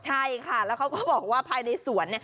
ใช่ค่ะแล้วเขาก็บอกว่าภายในสวน